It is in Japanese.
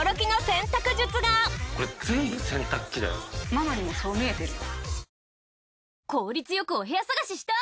ママにもそう見えてるよ。